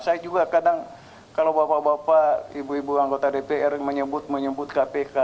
saya juga kadang kalau bapak bapak ibu ibu anggota dpr menyebut menyebut kpk